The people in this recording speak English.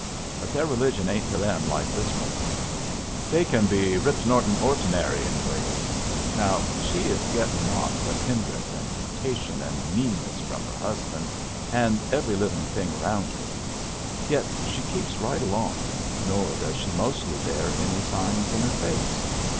But their religion ain't to them like this woman's. They can be rip snortin' or'tn'ary in ways. Now she is getting naught but hindrance and temptation and meanness from her husband and every livin' thing around her yet she keeps right along, nor does she mostly bear any signs in her face.